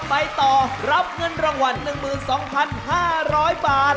ไปต่อรับเงินรางวัล๑๒๕๐๐บาท